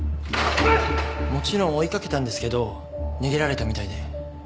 もちろん追いかけたんですけど逃げられたみたいで。